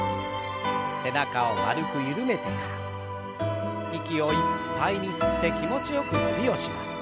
背中を丸く緩めてから息をいっぱいに吸って気持ちよく伸びをします。